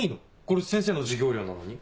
これ先生の授業料なのに。